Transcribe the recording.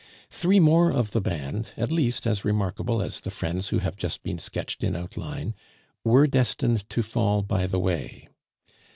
Three more of the band, at least as remarkable as the friends who have just been sketched in outline, were destined to fall by the way.